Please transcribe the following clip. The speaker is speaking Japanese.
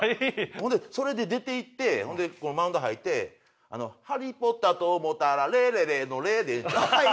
ほんでそれで出ていってほんでマウンド掃いて「ハリー・ポッターと思うたらレレレのレー」でええんちゃう？